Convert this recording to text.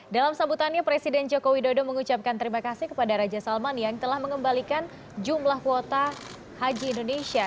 dalam sambutannya presiden joko widodo mengucapkan terima kasih kepada raja salman yang telah mengembalikan jumlah kuota haji indonesia